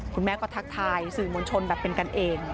คุณแม่ก็ทักทายสื่อมวลชนแบบเป็นกันเอง